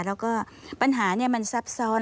แล้วก็ปัญหามันซับซ้อน